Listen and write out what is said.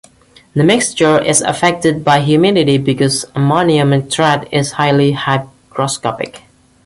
The mixture is affected by humidity because ammonium nitrate is highly hygroscopic.